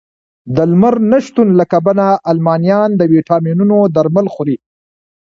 د لمر نه شتون له کبله المانیان د ویټامینونو درمل خوري